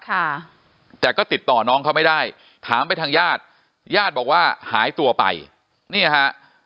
ค่ะแต่ก็ติดต่อน้องเขาไม่ได้ถามไปทางญาติญาติบอกว่าหายตัวไปเนี่ยฮะ